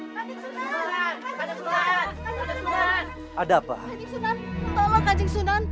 tadi sunan tolong kanjeng sunan